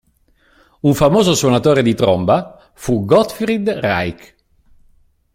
Un famoso suonatore di tromba fu Gottfried Reiche.